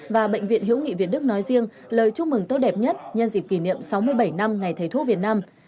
và bệnh viện hữu nghị việt đức nói riêng lời chúc mừng tốt đẹp nhất nhân dịp kỷ niệm sáu mươi bảy năm ngày thầy thuốc việt nam